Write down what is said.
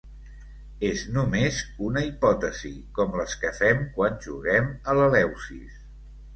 És només una hipòtesi com les que fem quan juguem a l'Eleusis.